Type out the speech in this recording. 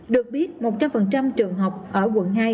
được biết một trăm linh trường học ở quận hai